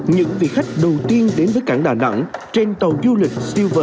những vị khách đầu tiên đến với cảng đà nẵng trên tàu du lịch